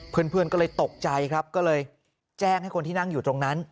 เพื่อนก็เลยตกใจครับก็เลยแจ้งให้คนที่นั่งอยู่ตรงนั้น